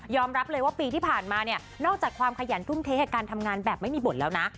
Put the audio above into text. รับเลยว่าปีที่ผ่านมาเนี่ยนอกจากความขยันทุ่มเทกับการทำงานแบบไม่มีบทแล้วนะ